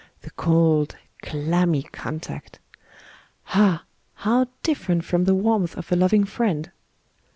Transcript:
The cold, clammy contact ! Ah ! how different from the warmth of a loving friend.